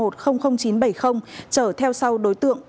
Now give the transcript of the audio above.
trở theo sau đối tượng